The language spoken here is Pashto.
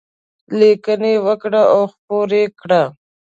لیکنې وکړه او خپرې یې کړه.